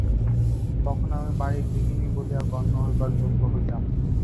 তখন আমি বাড়ির গৃহিনী বলিয়া গণ্য হইবার যোগ্য হইলাম।